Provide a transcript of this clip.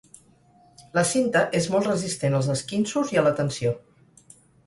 La cinta és molt resistent als esquinços i a la tensió.